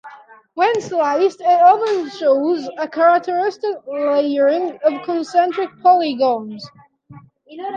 When sliced, it often shows a characteristic layering of concentric polygons.